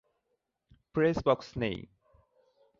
Press box নেই।